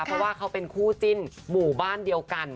เพราะว่าเขาเป็นคู่จิ้นหมู่บ้านเดียวกัน